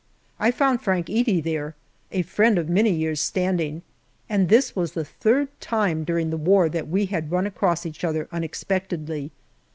I found Frank Edey there, a friend of many years' standing, and this was the third time during the war that we had run across each other unexpectedly.